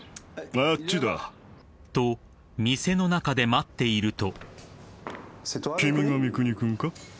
［と店の中で待っていると］